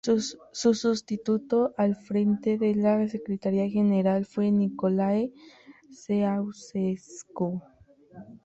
Su sustituto al frente de la secretaría general fue Nicolae Ceauşescu.